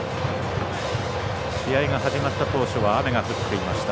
試合が始まった当初は雨が降っていました。